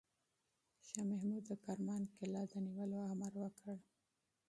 شاه محمود د کرمان قلعه د نیولو امر وکړ.